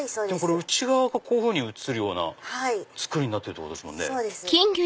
内側がこういうふうに映るような作りになってるってことですね。